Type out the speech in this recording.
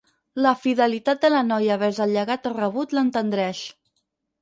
La fidelitat de la noia vers el llegat rebut l'entendreix.